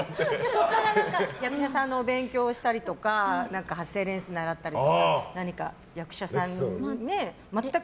そこから役者さんの勉強をしたりとか発声練習を習ったりとか何か役者さんにね。